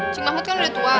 cing mahmud kan udah tua